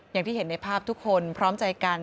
อย่างที่เห็นในภาพทุกคนพร้อมใจกัน